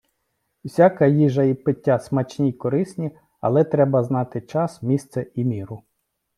Всяка їжа і пиття смачні й корисні, але треба знати час, місце і міру.